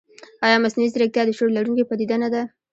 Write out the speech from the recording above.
ایا مصنوعي ځیرکتیا د شعور لرونکې پدیده نه ده؟